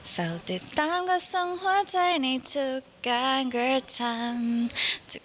เฝ้าติดตามก็ทรงหัวใจในทุกการกระทำ